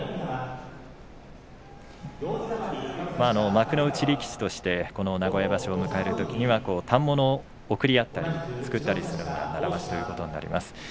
幕内力士としてこの名古屋場所を迎えるときは、反物を贈り合ったり作ったりするのが習わしということになります。